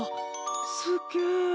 すっげえ。